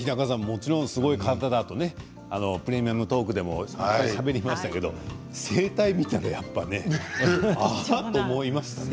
もちろんすごい方だと「プレミアムトーク」でもしゃべりましたけど声帯見たらやっぱりねああ、と思いましたね。